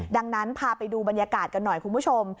ดังนั้นพาไปดูบรรยากาศกันหน่อยคุณผู้ชม